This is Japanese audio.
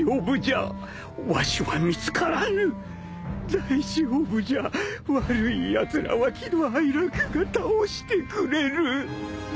大丈夫じゃ悪いやつらは喜怒哀楽が倒してくれる。